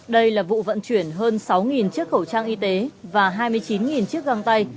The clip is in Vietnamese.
đây là vụ vận chuyển hơn sáu chiếc khẩu trang y tế và hai mươi chín chiếc găng tay